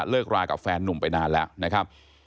รากับแฟนนุ่มไปนานแล้วนะครับ